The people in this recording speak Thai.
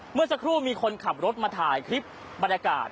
เมื่อสักครู่มีคนขับรถมาถ่ายคลิปบรรยากาศ